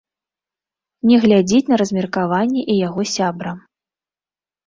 Не глядзіць на размеркаванне і яго сябра.